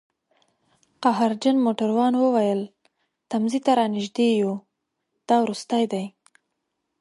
قهرجن موټروان وویل: تمځي ته رانژدي یوو، دا وروستی دی